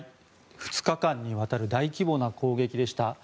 ２日間にわたる大規模な攻撃でした。